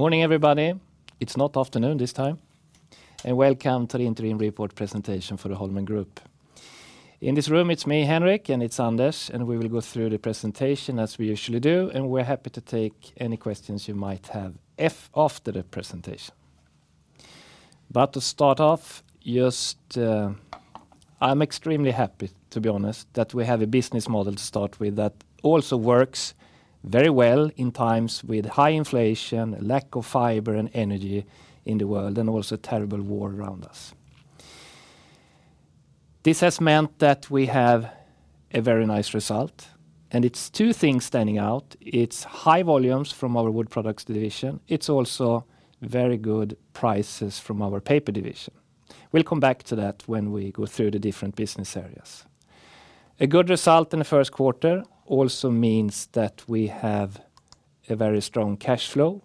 Morning, everybody. It's not afternoon this time. Welcome to the interim report presentation for the Holmen Group. In this room, it's me, Henrik, and it's Anders, and we will go through the presentation as we usually do, and we're happy to take any questions you might have after the presentation. To start off, just, I'm extremely happy, to be honest, that we have a business model to start with that also works very well in times with high inflation, lack of fiber and energy in the world, and also a terrible war around us. This has meant that we have a very nice result, and it's two things standing out. It's high volumes from our wood products division. It's also very good prices from our paper division. We'll come back to that when we go through the different business areas. A good result in the Q1 also means that we have a very strong cash flow,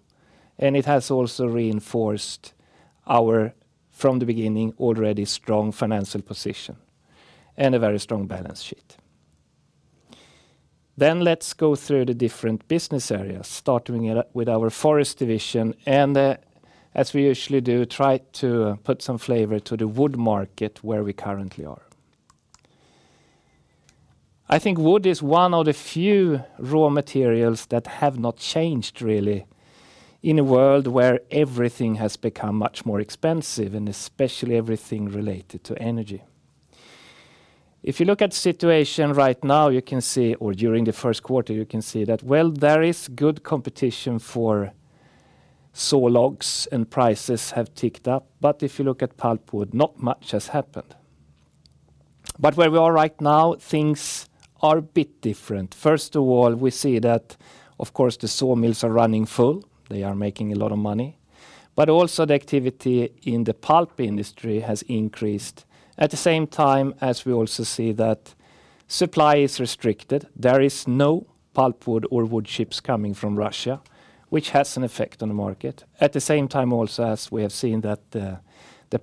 and it has also reinforced our, from the beginning, already strong financial position and a very strong balance sheet. Let's go through the different business areas, starting with our forest division, and, as we usually do, try to put some flavor to the wood market where we currently are. I think wood is one of the few raw materials that have not changed really in a world where everything has become much more expensive, and especially everything related to energy. If you look at situation right now, or during the Q1, you can see that, well, there is good competition for saw logs and prices have ticked up. If you look at pulpwood, not much has happened. Where we are right now, things are a bit different. First of all, we see that, of course, the sawmills are running full. They are making a lot of money. Also the activity in the pulp industry has increased. At the same time, as we also see that supply is restricted, there is no pulpwood or wood chips coming from Russia, which has an effect on the market. At the same time also, as we have seen that the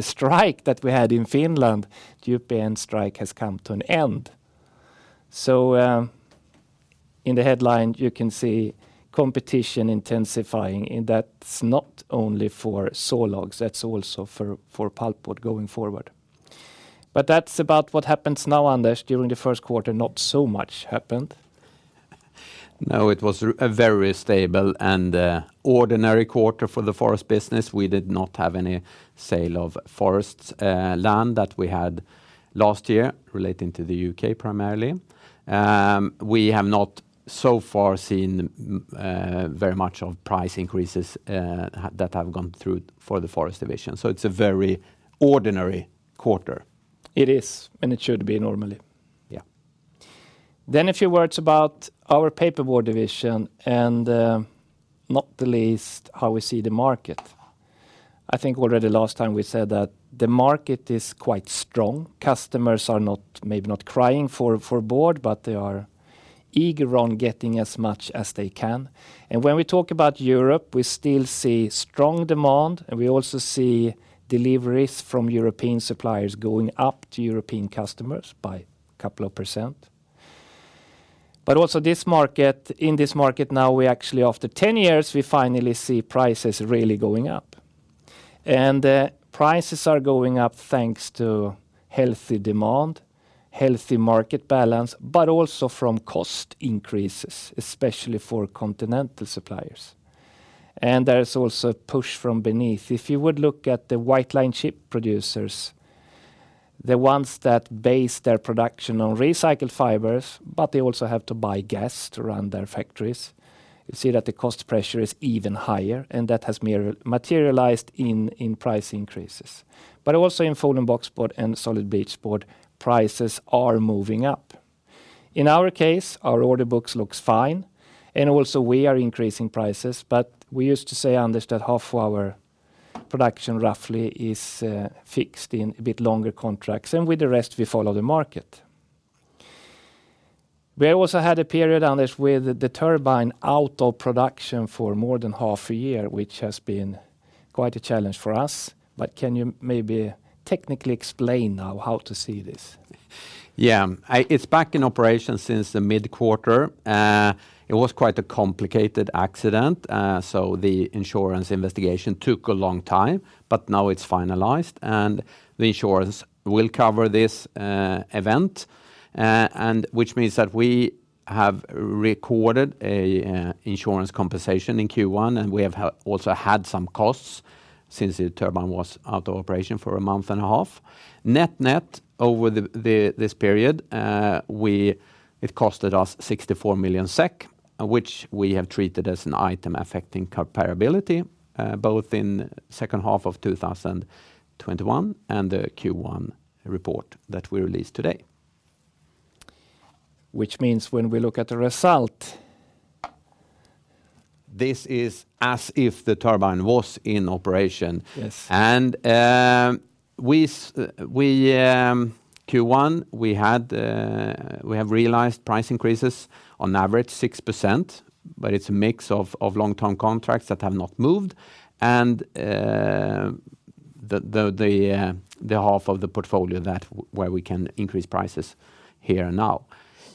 strike that we had in Finland, the UPM strike has come to an end. In the headline, you can see competition intensifying, and that's not only for saw logs, that's also for pulpwood going forward. That's about what happens now, Anders. During the Q1, not so much happened. No, it was a very stable and ordinary quarter for the forest business. We did not have any sale of forests, land that we had last year relating to the U.K. primarily. We have not so far seen very much of price increases that have gone through for the forest division. It's a very ordinary quarter. It is, and it should be normally. Yeah. A few words about our paperboard division and, not the least how we see the market. I think already last time we said that the market is quite strong. Customers are not, maybe not crying for board, but they are eager on getting as much as they can. When we talk about Europe, we still see strong demand, and we also see deliveries from European suppliers going up to European customers by a couple of percent. Also, in this market now, we actually, after 10 years, we finally see prices really going up. Prices are going up thanks to healthy demand, healthy market balance, but also from cost increases, especially for continental suppliers. There is also push from beneath. If you would look at the white-lined chipboard producers, the ones that base their production on recycled fibers, but they also have to buy gas to run their factories, you'd see that the cost pressure is even higher, and that has materialized in price increases. Also in folding boxboard and solid bleached board, prices are moving up. In our case, our order books looks fine, and also we are increasing prices, but we used to say, Anders, that half of our production roughly is fixed in a bit longer contracts, and with the rest, we follow the market. We also had a period, Anders, with the turbine out of production for more than half a year, which has been quite a challenge for us. Can you maybe technically explain now how to see this? Yeah. It's back in operation since the mid-quarter. It was quite a complicated accident, so the insurance investigation took a long time, but now it's finalized, and the insurance will cover this event. Which means that we have recorded a insurance compensation in Q1, and we have also had some costs since the turbine was out of operation for a month and a half. Net-net, over this period, it cost us 64 million SEK, which we have treated as an item affecting comparability, both in second half of 2021 and the Q1 report that we released today. Which means when we look at the result. This is as if the turbine was in operation. Yes. Q1, we had, we have realized price increases on average 6%, but it's a mix of long-term contracts that have not moved. The half of the portfolio where we can increase prices here now.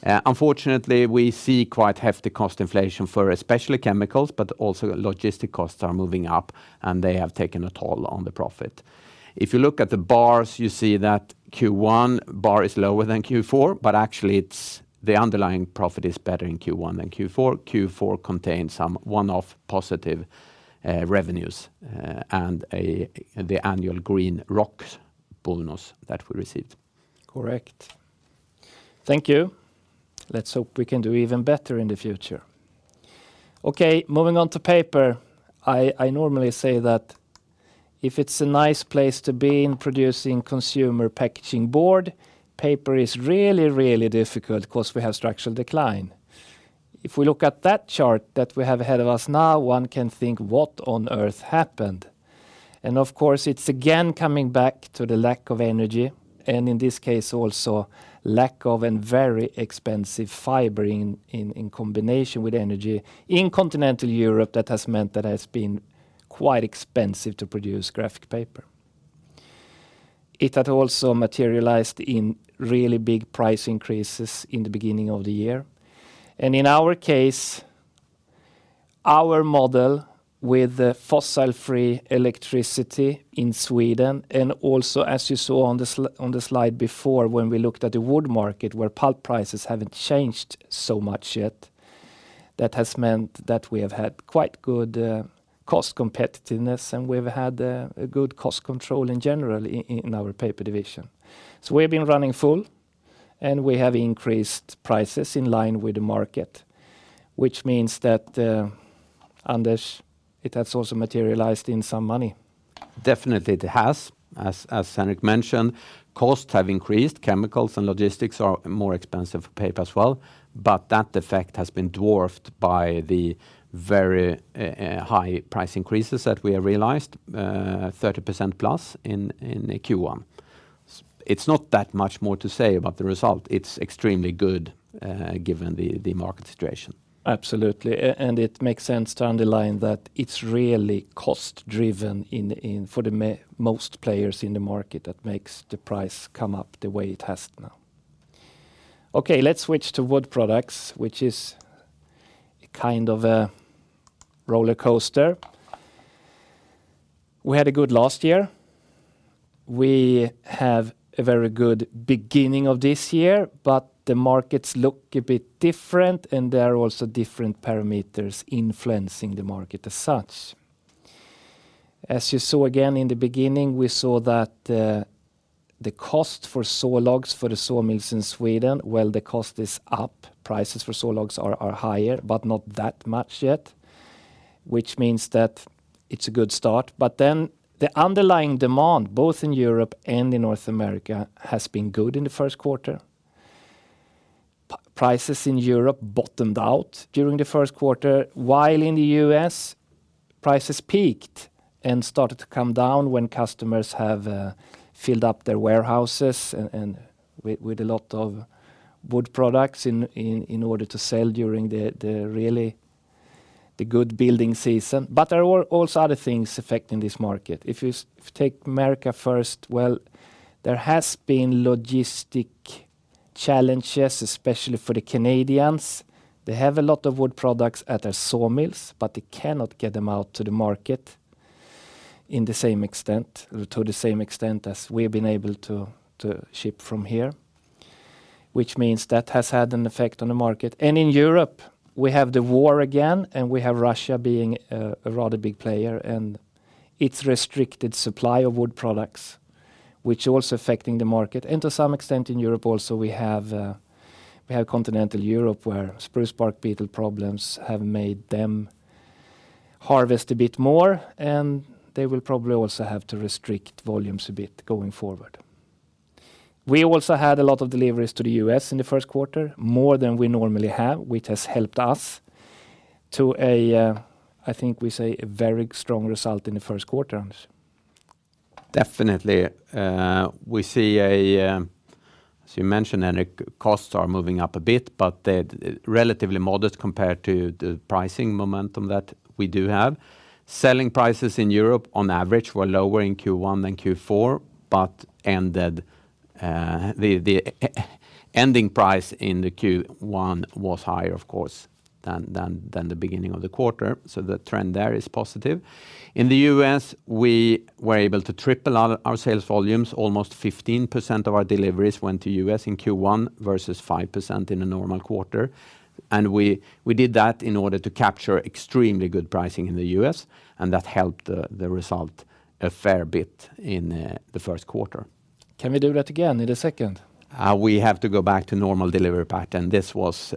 Unfortunately, we see quite hefty cost inflation for especially chemicals, but also logistics costs are moving up, and they have taken a toll on the profit. If you look at the bars, you see that Q1 bar is lower than Q4, but actually it's the underlying profit is better in Q1 than Q4. Q4 contains some one-off positive revenues, and the annual Grönviks bonus that we received. Correct. Thank you. Let's hope we can do even better in the future. Okay, moving on to paper. I normally say that if it's a nice place to be in producing consumer packaging board, paper is really, really difficult 'cause we have structural decline. If we look at that chart that we have ahead of us now, one can think, "What on earth happened?" Of course, it's again coming back to the lack of energy, and in this case also lack of and very expensive fiber in combination with energy. In continental Europe, that has meant that it has been quite expensive to produce graphic paper. It had also materialized in really big price increases in the beginning of the year. In our case, our model with the fossil-free electricity in Sweden, and also as you saw on the slide before when we looked at the wood market where pulp prices haven't changed so much yet, that has meant that we have had quite good cost competitiveness, and we've had a good cost control in general in our paper division. We've been running full, and we have increased prices in line with the market, which means that, Anders, it has also materialized in some money. Definitely it has. As Henrik mentioned, costs have increased. Chemicals and logistics are more expensive for paper as well, but that effect has been dwarfed by the very high price increases that we have realized 30%+ in Q1. It's not that much more to say about the result. It's extremely good, given the market situation. Absolutely. It makes sense to underline that it's really cost driven in for the most players in the market that makes the price come up the way it has now. Okay, let's switch to wood products, which is kind of a rollercoaster. We had a good last year. We have a very good beginning of this year, but the markets look a bit different, and there are also different parameters influencing the market as such. As you saw again in the beginning, we saw that, the cost for sawlogs for the sawmills in Sweden, well, the cost is up. Prices for sawlogs are higher, but not that much yet, which means that it's a good start. Then the underlying demand, both in Europe and in North America, has been good in the Q1. Prices in Europe bottomed out during the Q1, while in the U.S. prices peaked and started to come down when customers have filled up their warehouses and with a lot of wood products in order to sell during the good building season. There are also other things affecting this market. If you take America first, well, there has been logistical challenges, especially for the Canadians. They have a lot of wood products at their sawmills, but they cannot get them out to the market to the same extent as we've been able to ship from here, which means that has had an effect on the market. In Europe, we have the war again, and we have Russia being a rather big player, and it's restricting supply of wood products, which is also affecting the market. To some extent in Europe also, we have continental Europe, where spruce bark beetle problems have made them harvest a bit more, and they will probably also have to restrict volumes a bit going forward. We also had a lot of deliveries to the U.S. in the Q1, more than we normally have, which has helped us to, I think we say, a very strong result in the Q1, Anders. Definitely. We see, as you mentioned, Henrik, costs are moving up a bit, but they're relatively modest compared to the pricing momentum that we do have. Selling prices in Europe on average were lower in Q1 than Q4, but the ending price in the Q1 was higher, of course, than the beginning of the quarter, so the trend there is positive. In the U.S., we were able to triple our sales volumes. Almost 15% of our deliveries went to U.S. in Q1 versus 5% in a normal quarter. We did that in order to capture extremely good pricing in the U.S., and that helped the result a fair bit in the first quarter Q1. Can we do that again in the second? We have to go back to normal delivery pattern. This was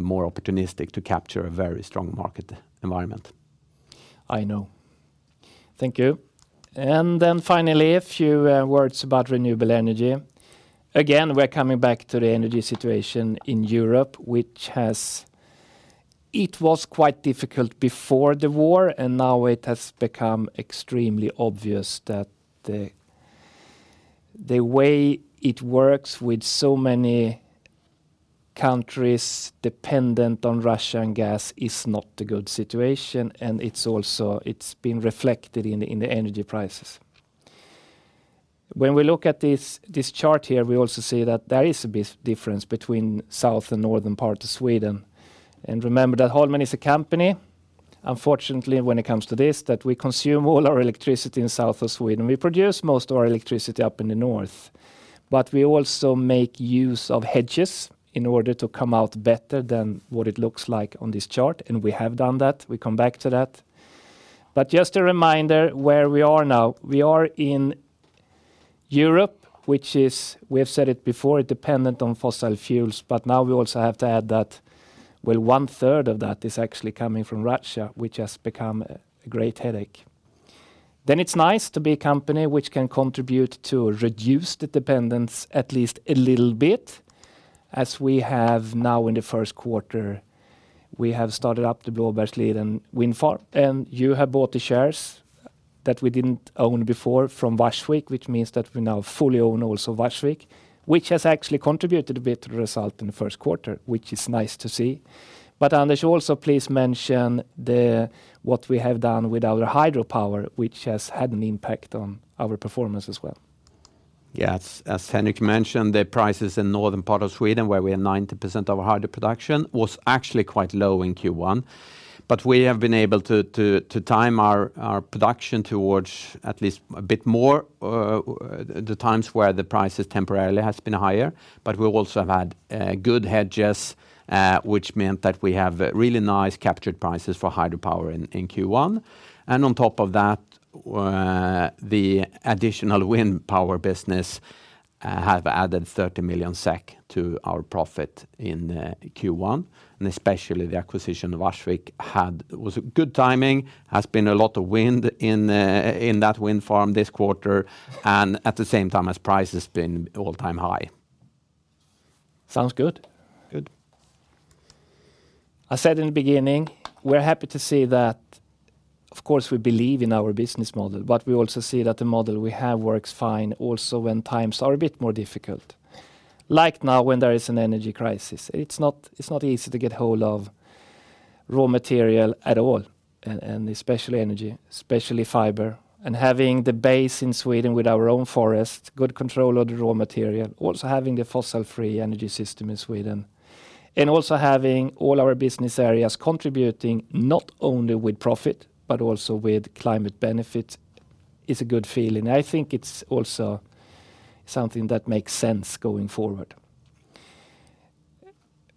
more opportunistic to capture a very strong market environment. I know. Thank you. Then finally, a few words about renewable energy. Again, we're coming back to the energy situation in Europe. It was quite difficult before the war, and now it has become extremely obvious that the way it works with so many countries dependent on Russian gas is not a good situation, and it's also been reflected in the energy prices. When we look at this chart here, we also see that there is a big difference between south and northern part of Sweden, and remember that Holmen is a company. Unfortunately, when it comes to this, that we consume all our electricity in south of Sweden. We produce most of our electricity up in the north. We also make use of hedges in order to come out better than what it looks like on this chart, and we have done that. We come back to that. Just a reminder where we are now. We are in Europe, which is, we have said it before, dependent on fossil fuels, but now we also have to add that, well, one-third of that is actually coming from Russia, which has become a great headache. It's nice to be a company which can contribute to reduce the dependence at least a little bit as we have now in the Q1, we have started up the Blåbergsliden Wind Farm, and you have bought the shares that we didn't own before from Varsvik which means that we now fully own also Varsvik, which has actually contributed a bit to the result in the Q1, which is nice to see. Anders, you also please mention what we have done with our hydropower, which has had an impact on our performance as well. Yes. As Henrik mentioned, the prices in northern part of Sweden, where we have 90% of our hydro production, was actually quite low in Q1, but we have been able to time our production towards at least a bit more the times where the prices temporarily has been higher, but we also have had good hedges, which meant that we have really nice captured prices for hydropower in Q1. On top of that, the additional wind power business have added 30 million SEK to our profit in Q1, and especially the acquisition of Varsvik was good timing, has been a lot of wind in that wind farm this quarter, and at the same time as prices has been all-time high. Sounds good. Good. I said in the beginning, we're happy to see that of course we believe in our business model, but we also see that the model we have works fine also when times are a bit more difficult, like now when there is an energy crisis. It's not easy to get hold of raw material at all, and especially energy, especially fiber, and having the base in Sweden with our own forest, good control of the raw material, also having the fossil-free energy system in Sweden, and also having all our business areas contributing not only with profit, but also with climate benefits is a good feeling. I think it's also something that makes sense going forward.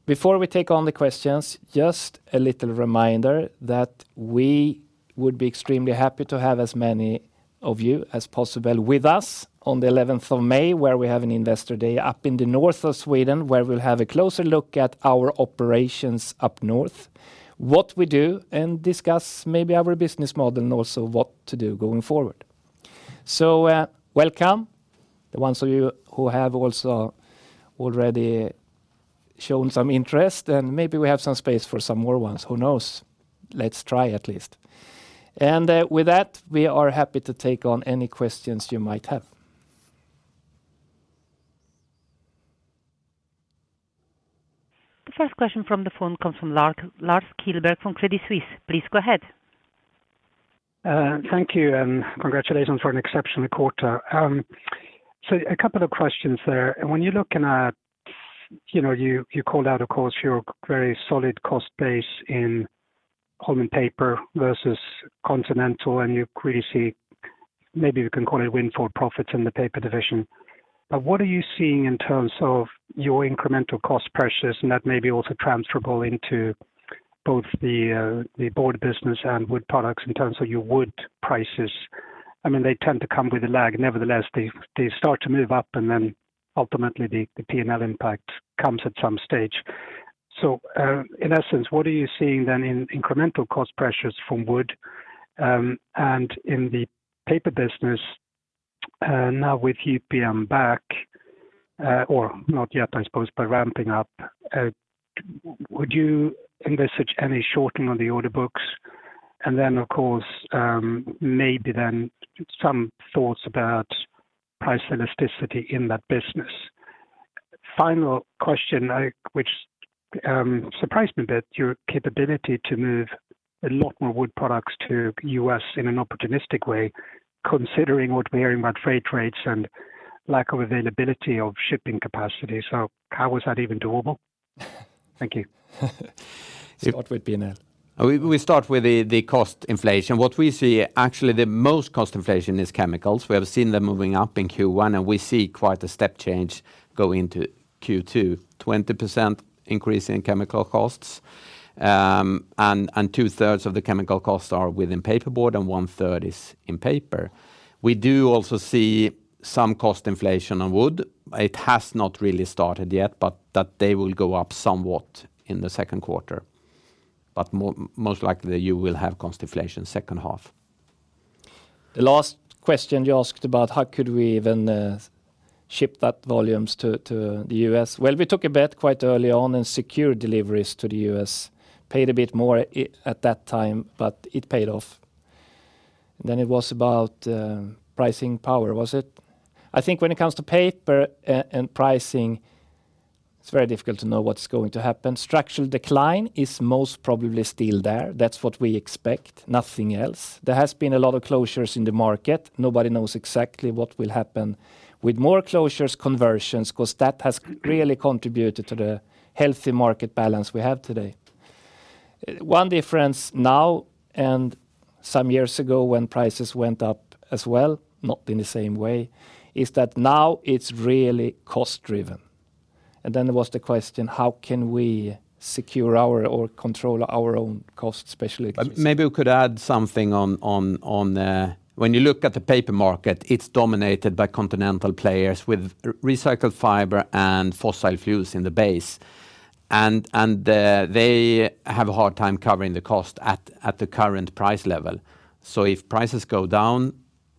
Before we take on the questions, just a little reminder that we would be extremely happy to have as many of you as possible with us on the eleventh of May where we have an Investor Day up in the north of Sweden, where we'll have a closer look at our operations up north, what we do, and discuss maybe our business model and also what to do going forward. Welcome the ones of you who have also already shown some interest, and maybe we have some space for some more ones. Who knows? Let's try at least. With that, we are happy to take on any questions you might have. The first question from the phone comes from Lars Kjellberg from Credit Suisse. Please go ahead. Thank you, and congratulations for an exceptional quarter. A couple of questions there. When you're looking at, you know, you called out, of course, your very solid cost base in Holmen Paper versus continental, and you clearly see maybe you can call it windfall profits in the paper division. What are you seeing in terms of your incremental cost pressures, and that may be also transferable into both the board business and wood products in terms of your wood prices? I mean, they tend to come with a lag. Nevertheless, they start to move up, and then ultimately the P&L impact comes at some stage. In essence, what are you seeing then in incremental cost pressures from wood, and in the paper business, now with UPM back, or not yet, I suppose, but ramping up, would you envisage any shortening on the order books? Maybe then some thoughts about price elasticity in that business. Final question, which surprised me a bit, your capability to move a lot more wood products to U.S. in an opportunistic way, considering what we're hearing about freight rates and lack of availability of shipping capacity. How was that even doable? Thank you. Start with P&L. We start with the cost inflation. What we see actually the most cost inflation is chemicals. We have seen them moving up in Q1, and we see quite a step change going into Q2. 20% increase in chemical costs, and two-thirds of the chemical costs are within paperboard, and one-third is in paper. We do also see some cost inflation on wood. It has not really started yet, but that they will go up somewhat in the Q2. Most likely you will have cost inflation second half. The last question you asked about how could we even ship that volumes to the U.S. Well, we took a bet quite early on and secured deliveries to the U.S. Paid a bit more at that time, but it paid off. It was about pricing power, was it? I think when it comes to paper and pricing, it's very difficult to know what's going to happen. Structural decline is most probably still there. That's what we expect, nothing else. There has been a lot of closures in the market. Nobody knows exactly what will happen. With more closures, conversions, 'cause that has really contributed to the healthy market balance we have today. One difference now and some years ago when prices went up as well, not in the same way, is that now it's really cost-driven. There was the question, how can we secure or control our own costs, especially. Maybe we could add something on when you look at the paper market. It's dominated by continental players with recycled fiber and fossil fuels in the base. They have a hard time covering the cost at the current price level. If prices go down,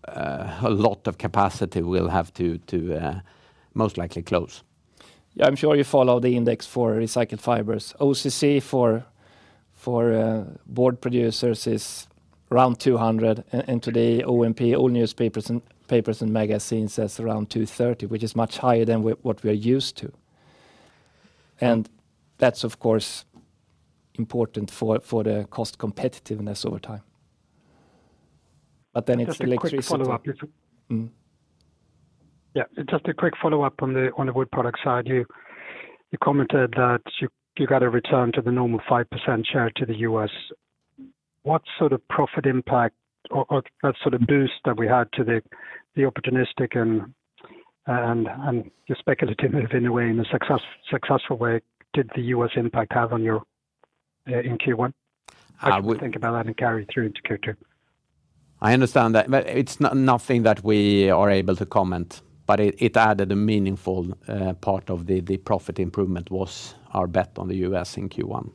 a lot of capacity will have to most likely close. Yeah, I'm sure you follow the index for recycled fibers. OCC for board producers is around 200. Today, ONP, all newspapers and papers and magazines is around 230, which is much higher than what we're used to. That's, of course, important for the cost competitiveness over time. Then it's the electricity. Just a quick follow-up. Yeah, just a quick follow-up on the wood product side. You commented that you got a return to the normal 5% share to the U.S. What sort of profit impact or that sort of boost that we had to the opportunistic and the speculative, if any way, in a successful way did the U.S. impact have on your in Q1? I would- What do you think about that and carry through into Q2? I understand that, but it's nothing that we are able to comment. It added a meaningful part of the profit improvement was our bet on the U.S. in Q1.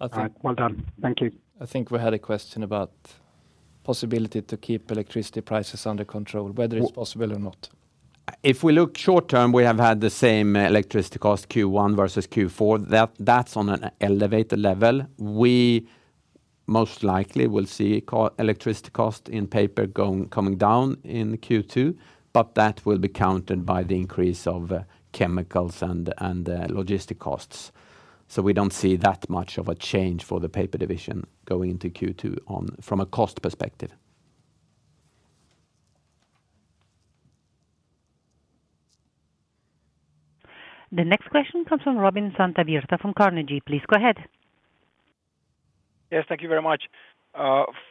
All right. Well done. Thank you. I think we had a question about possibility to keep electricity prices under control, whether it's possible or not. If we look short term, we have had the same electricity cost Q1 versus Q4. That's on an elevated level. We most likely will see electricity cost in paper coming down in Q2, but that will be countered by the increase of chemicals and logistic costs. We don't see that much of a change for the paper division going into Q2 from a cost perspective. The next question comes from Robin Santavirta from Carnegie. Please go ahead. Yes, thank you very much.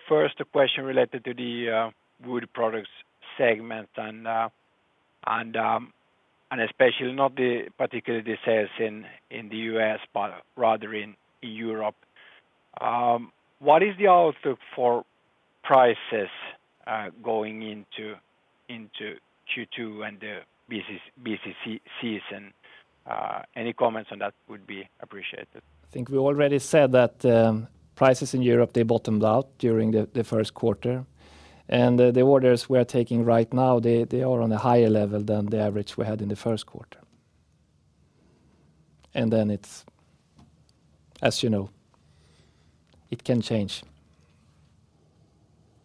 First, a question related to the wood products segment and particularly the sales in the U.S., but rather in Europe. What is the outlook for prices going into Q2 and the busy season? Any comments on that would be appreciated. I think we already said that, prices in Europe, they bottomed out during the Q1. The orders we are taking right now, they are on a higher level than the average we had in the Q1. Then it's, as you know, it can change.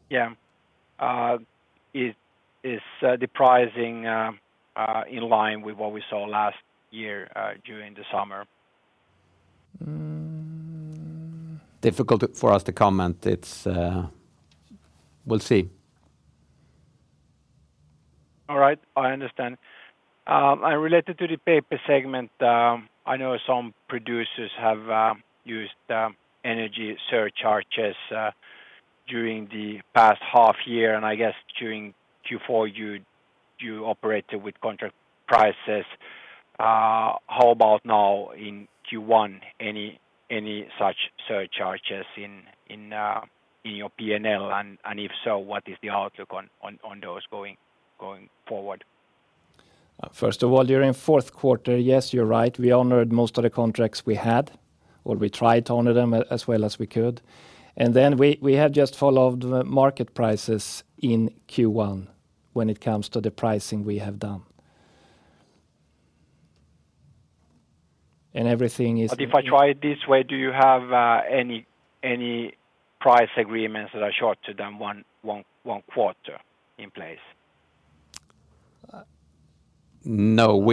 Yeah. Is the pricing in line with what we saw last year during the summer? Difficult for us to comment. It's, we'll see. All right, I understand. Related to the paper segment, I know some producers have used energy surcharges during the past half year, and I guess during Q4, you operated with contract prices. How about now in Q1? Any such surcharges in your P&L? And if so, what is the outlook on those going forward? First of all, during Q4, yes, you're right. We honored most of the contracts we had, or we tried to honor them as well as we could. We have just followed the market prices in Q1 when it comes to the pricing we have done. If I try it this way, do you have any price agreements that are shorter than one quarter in place? No.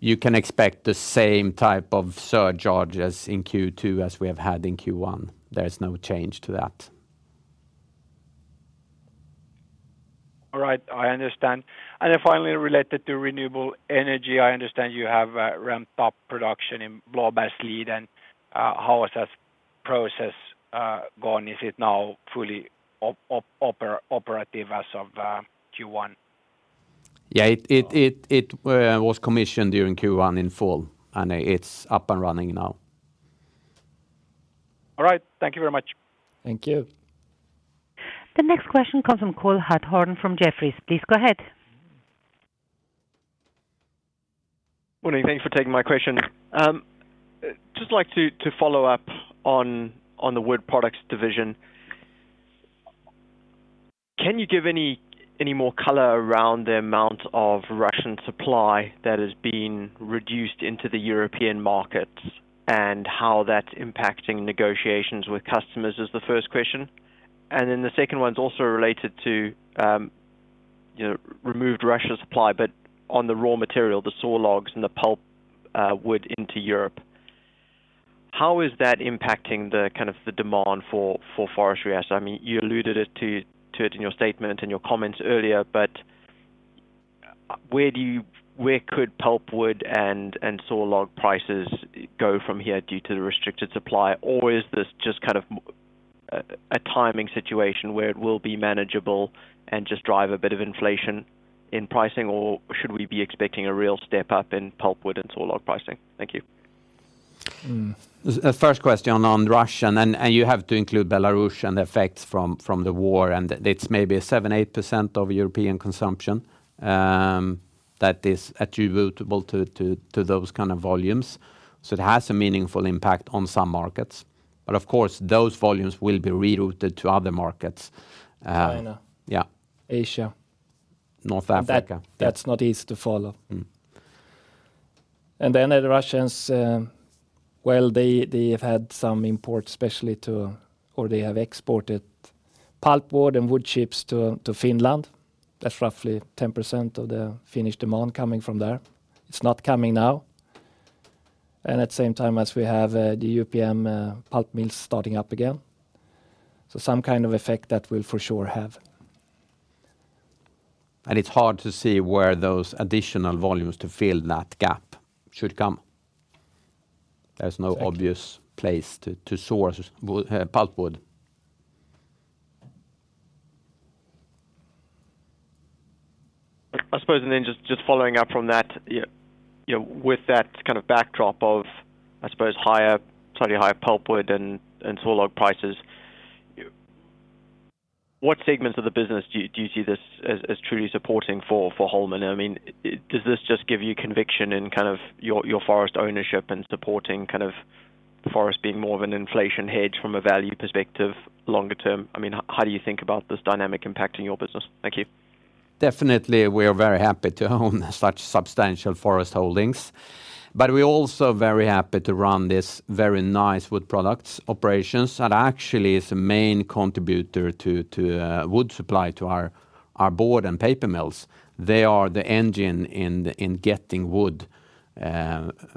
You can expect the same type of surcharges in Q2 as we have had in Q1. There is no change to that. All right, I understand. Finally, related to renewable energy, I understand you have ramped up production in Blåbergsliden. How has that process gone? Is it now fully operative as of Q1? Yeah. It was commissioned during Q1 in full, and it's up and running now. All right. Thank you very much. Thank you. The next question comes from Cole Hathorn from Jefferies. Please go ahead. Morning. Thanks for taking my question. Just like to follow up on the wood products division. Can you give any more color around the amount of Russian supply that is being reduced into the European markets, and how that's impacting negotiations with customers? That's the first question. Then the second one's also related to, you know, removed Russian supply, but on the raw material, the saw logs and the pulpwood into Europe. How is that impacting the kind of demand for forestry assets? I mean, you alluded to it in your statement and your comments earlier, but where could pulpwood and saw log prices go from here due to the restricted supply? Is this just kind of a timing situation where it will be manageable and just drive a bit of inflation in pricing, or should we be expecting a real step up in pulpwood and saw log pricing? Thank you. The first question on Russia and you have to include Belarus and the effects from the war, and it's maybe 7%-8% of European consumption that is attributable to those kind of volumes. It has a meaningful impact on some markets. Of course, those volumes will be rerouted to other markets. China. Yeah. Asia. North Africa. That's not easy to follow. The Russians have had some exports, especially or they have exported pulpwood and wood chips to Finland. That's roughly 10% of the Finnish demand coming from there. It's not coming now. At the same time as we have the UPM pulp mills starting up again. Some kind of effect that will for sure have. It's hard to see where those additional volumes to fill that gap should come. There's no obvious place to source pulpwood. I suppose, then just following up from that, you know, with that kind of backdrop of, I suppose, higher, slightly higher pulpwood and saw log prices, what segments of the business do you see this as truly supporting for Holmen? I mean, does this just give you conviction in kind of your forest ownership and supporting kind of the forest being more of an inflation hedge from a value perspective longer term? I mean, how do you think about this dynamic impacting your business? Thank you. Definitely we are very happy to own such substantial forest holdings, but we're also very happy to run this very nice wood products operations that actually is a main contributor to wood supply to our board and paper mills. They are the engine in getting wood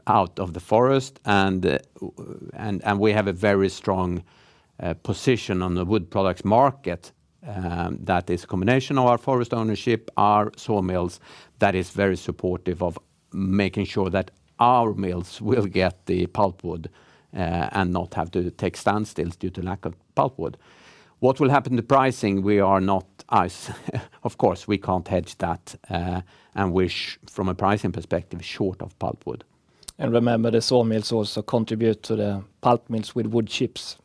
out of the forest. We have a very strong position on the wood products market that is a combination of our forest ownership, our sawmills, that is very supportive of making sure that our mills will get the pulpwood and not have to take standstills due to lack of pulpwood. What will happen to pricing? We are not sure. Of course, we can't hedge that, and we wish from a pricing perspective short of pulpwood. Remember, the sawmills also contribute to the pulp mills with wood chips.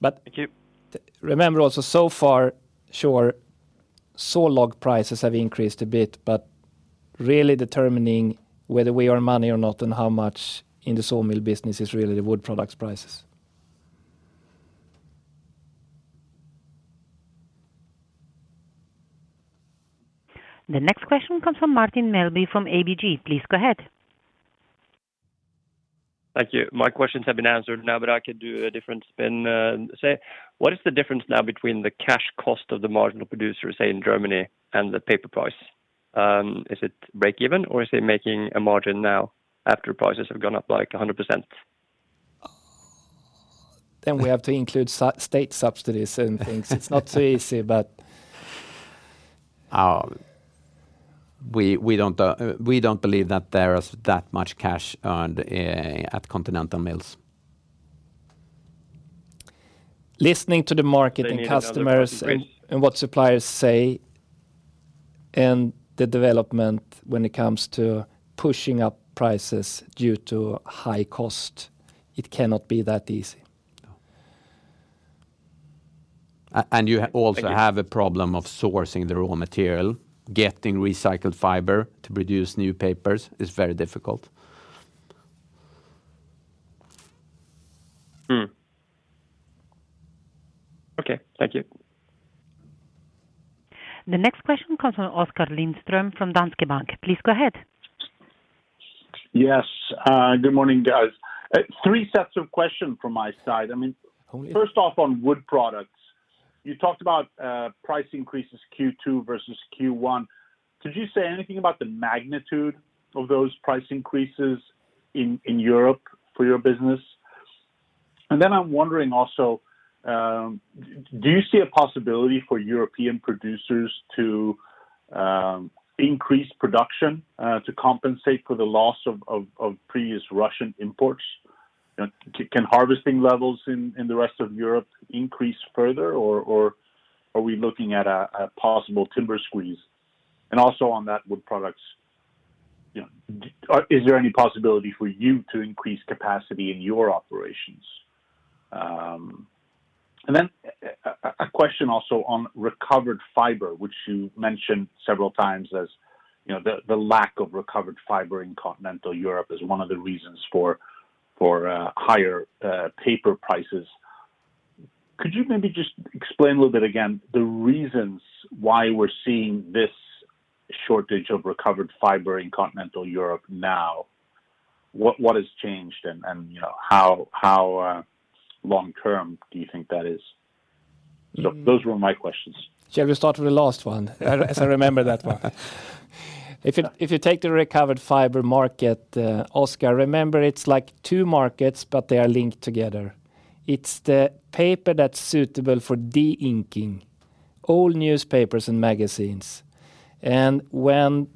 Yeah. But- Thank you. Remember also, so far, sure, saw log prices have increased a bit, but really determining whether we earn money or not and how much in the sawmill business is really the wood products prices. The next question comes from Martin Melbye from ABG. Please go ahead. Thank you. My questions have been answered now, but I could do a different spin. Say, what is the difference now between the cash cost of the marginal producer, say in Germany and the paper price? Is it break even or is it making a margin now after prices have gone up like 100%? We have to include state subsidies and things. It's not so easy. We don't believe that there is that much cash earned at continental mills. Listening to the market and customers. You have another question. What suppliers say and the development when it comes to pushing up prices due to high cost, it cannot be that easy. You also have a problem of sourcing the raw material. Getting recycled fiber to produce new papers is very difficult. Okay. Thank you. The next question comes from Oskar Lindström from Danske Bank. Please go ahead. Yes. Good morning, guys. Three sets of questions from my side. I mean. Okay... first off, on wood products, you talked about price increases Q2 versus Q1. Could you say anything about the magnitude of those price increases in Europe for your business? I'm wondering also, do you see a possibility for European producers to increase production to compensate for the loss of previous Russian imports? Can harvesting levels in the rest of Europe increase further or are we looking at a possible timber squeeze? Also on that wood products, you know, is there any possibility for you to increase capacity in your operations? And then A question also on recovered fiber, which you mentioned several times as the lack of recovered fiber in continental Europe is one of the reasons for higher paper prices. Could you maybe just explain a little bit again the reasons why we're seeing this shortage of recovered fiber in continental Europe now? What has changed and how long-term do you think that is? Those were my questions. Shall we start with the last one? As I remember that one. If you take the recovered fiber market, Oscar, remember it's like two markets, but they are linked together. It's the paper that's suitable for de-inking, old newspapers and magazines. When,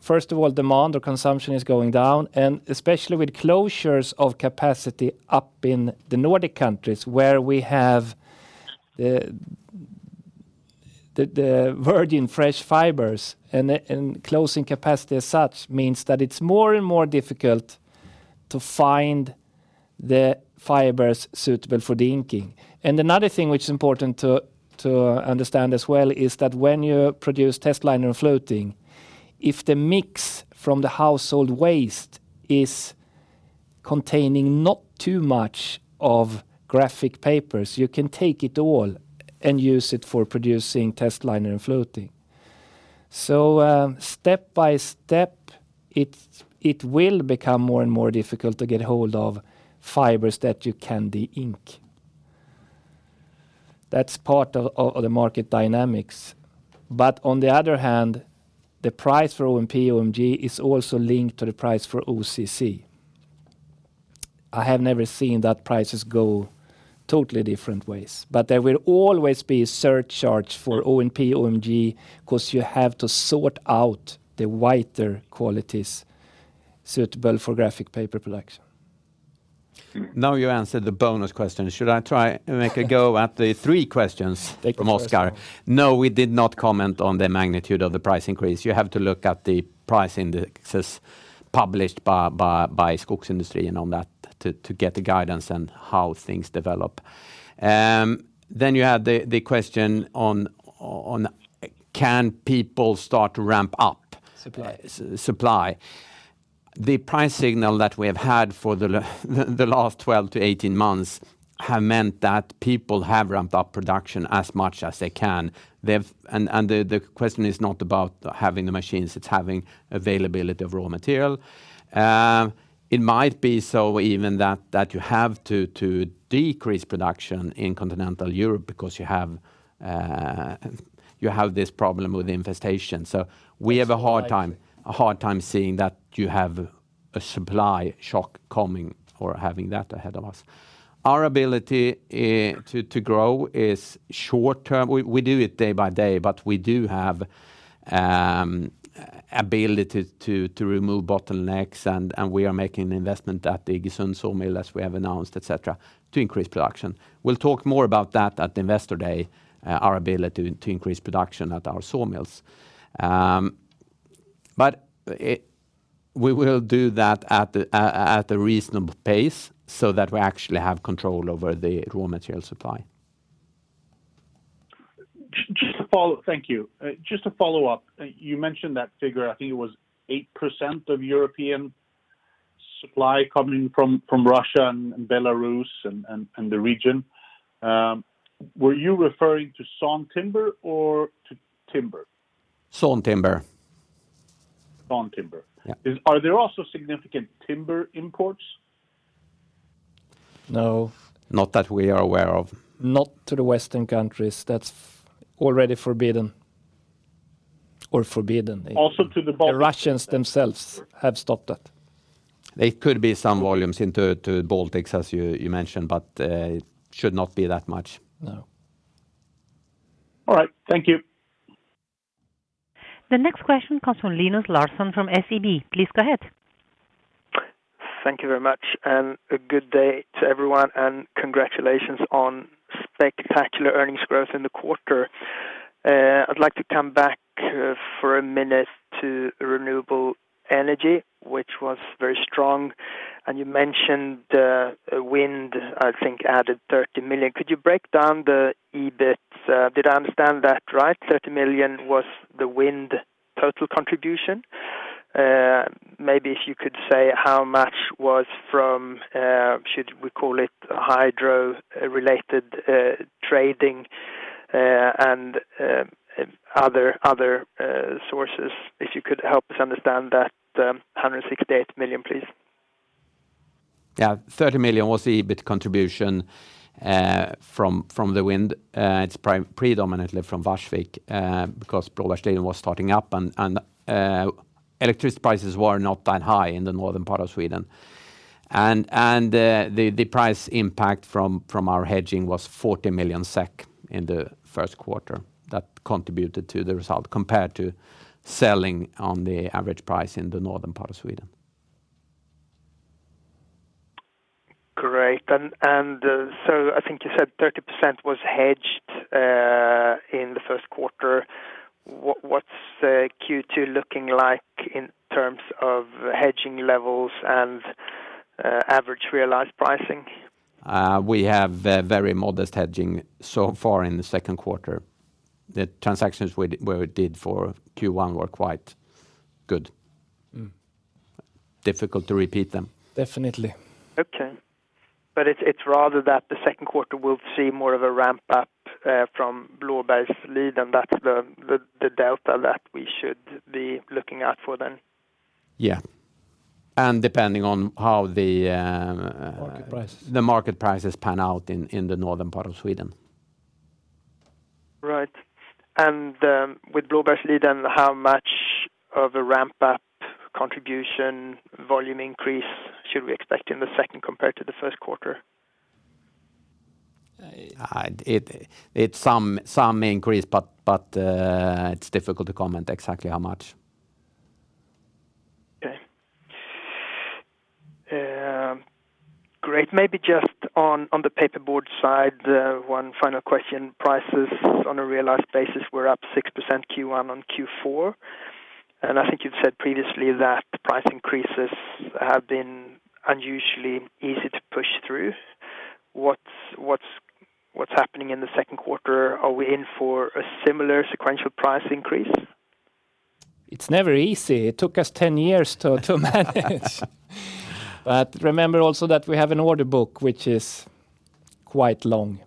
first of all, demand or consumption is going down, and especially with closures of capacity up in the Nordic countries where we have the virgin fresh fibers and closing capacity as such means that it's more and more difficult to find the fibers suitable for de-inking. Another thing which is important to understand as well is that when you produce testliner and fluting, if the mix from the household waste is containing not too much of graphic papers, you can take it all and use it for producing testliner and fluting. Step by step, it will become more and more difficult to get hold of fibers that you can de-ink. That's part of the market dynamics. On the other hand, the price for ONP, OMG is also linked to the price for OCC. I have never seen that prices go totally different ways, but there will always be a surcharge for ONP, OMG 'cause you have to sort out the whiter qualities suitable for graphic paper production. Now you answered the bonus question. Should I try and make a go at the three questions? Thank you so much. Oscar? No, we did not comment on the magnitude of the price increase. You have to look at the price indexes published by Skogsindustrierna on that to get the guidance on how things develop. You had the question on can people start to ramp up- Supply supply. The price signal that we have had for the last 12-18 months have meant that people have ramped up production as much as they can. The question is not about having the machines, it's having availability of raw material. It might be so even that you have to decrease production in continental Europe because you have this problem with infestation. We have a hard time seeing that you have a supply shock coming or having that ahead of us. Our ability to grow is short term. We do it day by day, but we do have ability to remove bottlenecks and we are making investment at the Iggesund Sawmill, as we have announced, et cetera, to increase production. We'll talk more about that at Investor Day, our ability to increase production at our sawmills. We will do that at a reasonable pace so that we actually have control over the raw material supply. Thank you. Just to follow up. You mentioned that figure, I think it was 8% of European supply coming from Russia and Belarus and the region. Were you referring to sawn timber or to timber? Sawn timber. Sawn timber. Yeah. Are there also significant timber imports? No. Not that we are aware of. Not to the Western countries. That's already forbidden. Also to the Baltics. The Russians themselves have stopped that. There could be some volumes into the Baltics, as you mentioned, but it should not be that much. No. All right. Thank you. The next question comes from Linus Larsson from SEB. Please go ahead. Thank you very much, a good day to everyone, and congratulations on spectacular earnings growth in the quarter. I'd like to come back for a minute to renewable energy, which was very strong, and you mentioned wind, I think added 30 million. Could you break down the EBIT? Did I understand that right? 30 million was the wind total contribution. Maybe if you could say how much was from, should we call it hydro-related, trading, and other sources? If you could help us understand that, 168 million, please. Yeah. 30 million was the EBIT contribution from the wind. It's predominantly from Varsvik because Blåbergsliden was starting up and the price impact from our hedging was 40 million SEK in the Q1. That contributed to the result compared to selling on the average price in the northern part of Sweden. Great. I think you said 30% was hedged. In the Q1, what's Q2 looking like in terms of hedging levels and average realized pricing? We have very modest hedging so far in the Q2. The transactions we did for Q1 were quite good. Difficult to repeat them. Definitely. Okay. It's rather that the Q2 we'll see more of a ramp up from Blåbergsliden, that's the delta that we should be looking out for then? Yeah. Depending on how the Market price the market prices pan out in the northern part of Sweden. Right. With Blåbergsliden, how much of a ramp up contribution volume increase should we expect in the second compared to the Q1? It's some increase, but it's difficult to comment exactly how much. Okay. Great. Maybe just on the paperboard side, one final question. Prices on a realized basis were up 6% Q1 on Q4, and I think you've said previously that the price increases have been unusually easy to push through. What's happening in the Q2? Are we in for a similar sequential price increase? It's never easy. It took us 10 years to manage. Remember also that we have an order book which is quite long,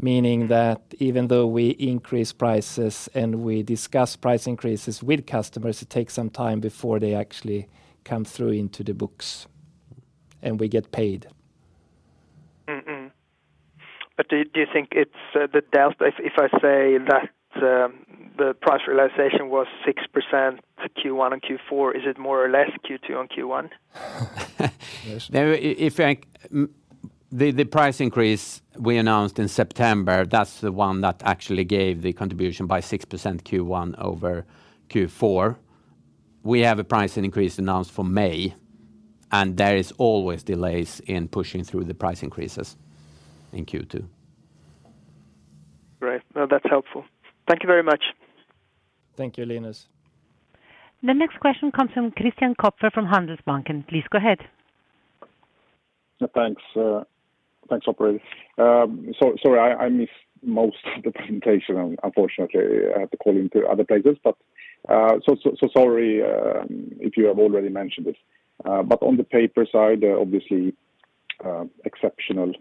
meaning that even though we increase prices and we discuss price increases with customers, it takes some time before they actually come through into the books and we get paid. Do you think it's the delta, if I say that the price realization was 6% Q1 and Q4, is it more or less Q2 on Q1? The price increase we announced in September, that's the one that actually gave the contribution by 6% Q1 over Q4. We have a price increase announced for May, and there is always delays in pushing through the price increases in Q2. Right. No, that's helpful. Thank you very much. Thank you, Linus. The next question comes from Christian Kopfer from Handelsbanken. Please go ahead. Thanks, operator. Sorry I missed most of the presentation. Unfortunately, I had to call in to other places. Sorry if you have already mentioned this, but on the paper side, obviously, exceptional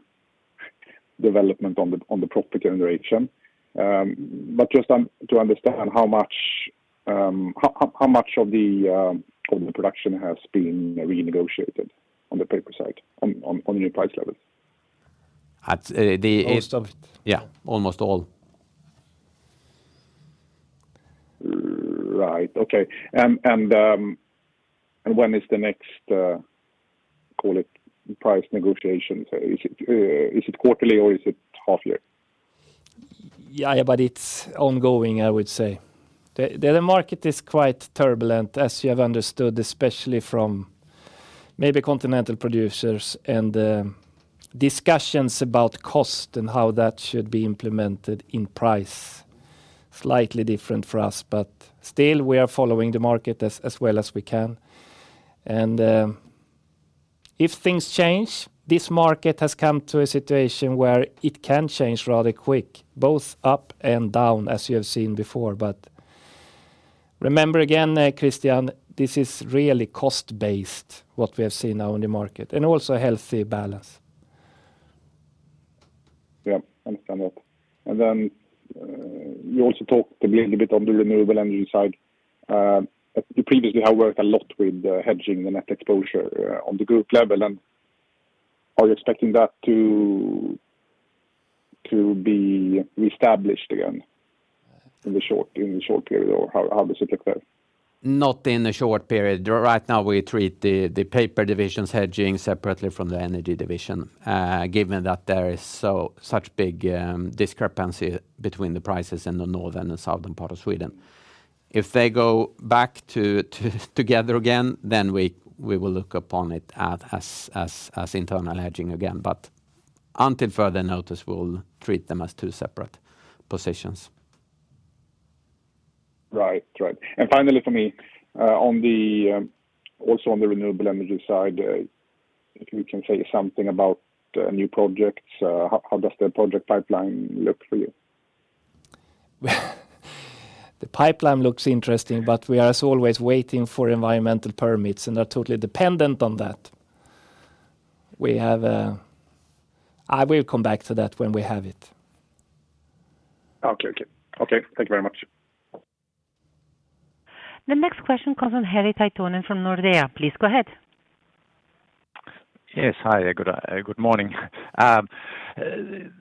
development on the profit generation. Just to understand how much of the production has been renegotiated on the paper side on the new price levels? At the- Most of it. Yeah, almost all. Right. Okay. When is the next, call it, price negotiation? Is it quarterly or half yearly? Yeah, it's ongoing, I would say. The market is quite turbulent, as you have understood, especially from maybe continental producers and discussions about cost and how that should be implemented in price. Slightly different for us, but still we are following the market as well as we can. If things change, this market has come to a situation where it can change rather quick, both up and down, as you have seen before. Remember, again, Christian, this is really cost-based, what we have seen now in the market, and also a healthy balance. Yeah, understand that. You also talked a little bit on the renewable energy side. You previously have worked a lot with hedging the net exposure on the group level. Are you expecting that to be reestablished again in the short period? Or how does it look there? Not in the short period. Right now we treat the paper division's hedging separately from the energy division, given that there is such big discrepancy between the prices in the northern and southern part of Sweden. If they go back together again, then we will look upon it as internal hedging again. Until further notice, we'll treat them as two separate positions. Right. Right. Finally for me, on the also on the renewable energy side, if you can say something about new projects. How does the project pipeline look for you? Well, the pipeline looks interesting, but we are as always waiting for environmental permits and are totally dependent on that. We have, I will come back to that when we have it. Okay, thank you very much. The next question comes from Henri Parkkinen from Nordea. Please go ahead. Yes. Hi. Good morning.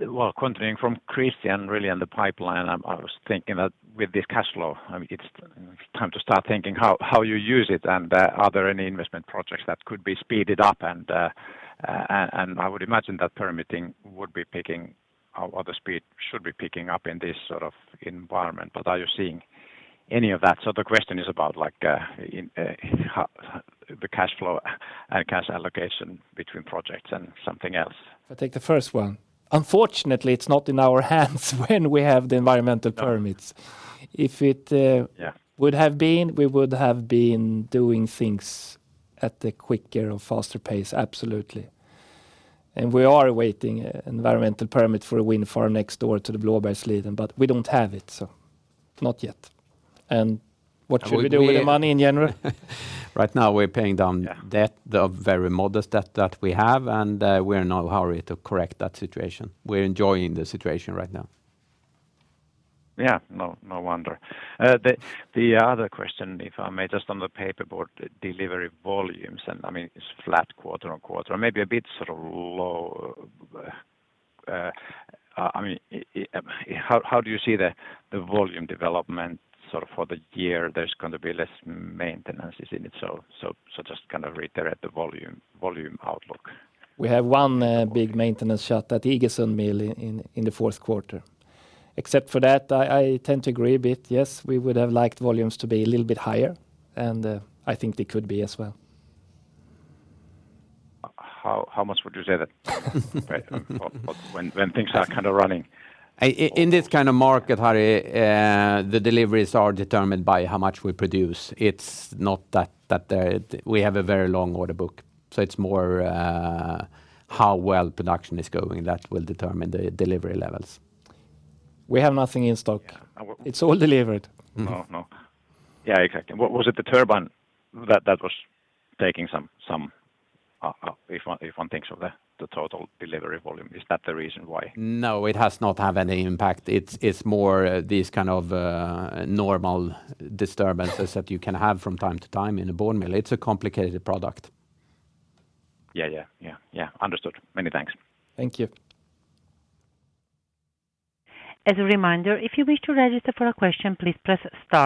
Well, continuing from Christian really on the pipeline, I was thinking that with this cash flow, I mean, it's time to start thinking how you use it, and I would imagine that permitting would be picking up or the speed should be picking up in this sort of environment, but are you seeing? Any of that. The question is about like, in, the cash flow and cash allocation between projects and something else. I'll take the first one. Unfortunately, it's not in our hands when we have the environmental permits. Would have been, we would have been doing things at a quicker or faster pace. Absolutely. We are awaiting environmental permit for a wind farm next door to the Blåbergsliden, but we don't have it, so not yet. What should we do with the money in general? Right now we're paying down debt, the very modest debt that we have, and we are in no hurry to correct that situation. We're enjoying the situation right now. Yeah. No wonder. The other question, if I may, just on the paper about delivery volumes, and I mean, it's flat quarter-on-quarter, maybe a bit sort of low. I mean, how do you see the volume development sort of for the year? There's gonna be less maintenance, isn't it? So just kind of reiterate the volume outlook. We have one big maintenance shut at Iggesund Mill in the Q4. Except for that, I tend to agree a bit, yes, we would have liked volumes to be a little bit higher, and I think they could be as well. How much would you say that? Right. When things are kind of running. In this kind of market, Henri, the deliveries are determined by how much we produce. It's not that they're. We have a very long order book, so it's more how well production is going that will determine the delivery levels. We have nothing in stock. It's all delivered. No, no. Yeah, exactly. Was it the turbine that was taking some, if one thinks of the total delivery volume, is that the reason why? No, it has not have any impact. It's more these kind of normal disturbances that you can have from time to time in a board mill. It's a complicated product. Yeah. Understood. Many thanks. Thank you. As a reminder, if you wish to register for a question, please press star two.